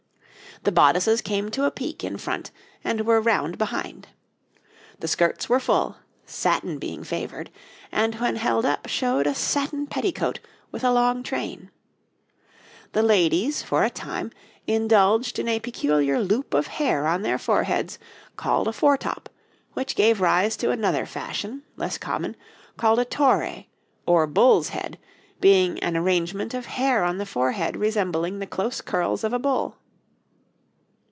The bodices came to a peak in front and were round behind. The skirts were full, satin being favoured, and when held up showed a satin petticoat with a long train. The ladies, for a time, indulged in a peculiar loop of hair on their foreheads, called a 'fore top,' which gave rise to another fashion, less common, called a 'taure,' or bull's head, being an arrangement of hair on the forehead resembling the close curls of a bull.